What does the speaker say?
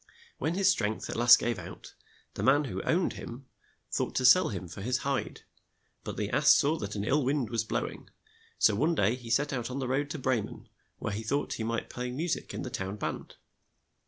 When his strength at last gave out, the man who owned him thought to sell him for his hide, but the ass saw that an ill wind was blow ing, so one day he set out on the road to Bre men, where he thought he might play mu sic in the town band.